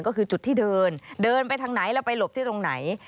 ก็คือจุดที่เดินเดินไปทางไหนแล้วไปหลบที่ตรงไหน